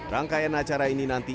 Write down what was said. yang saya pelajari adalah